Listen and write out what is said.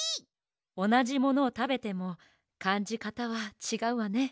おなじものをたべてもかんじかたはちがうわね。